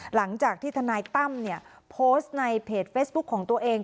หลังจากที่ทนายตั้มเนี่ยโพสต์ในเพจเฟซบุ๊คของตัวเอง